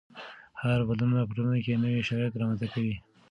هر بدلون په ټولنه کې نوي شرایط رامنځته کوي.